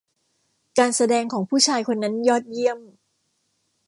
การแสดงของผู้ชายคนนั้นยอดเยี่ยม